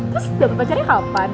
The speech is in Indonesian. terus dapet pacarnya kapan